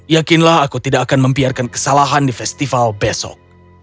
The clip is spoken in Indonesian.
yakinlah aku tidak akan membiarkan kesalahan di festival besok